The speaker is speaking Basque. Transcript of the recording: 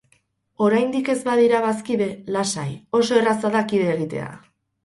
Oraindik ez badira bazkide, lasai, oso erraza da kide egitea.